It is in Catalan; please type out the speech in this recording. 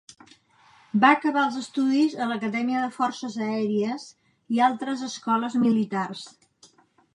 Va acabar els estudis a l'acadèmia de forces aèries i altres escoles militars.